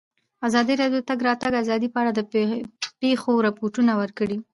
ازادي راډیو د د تګ راتګ ازادي په اړه د پېښو رپوټونه ورکړي.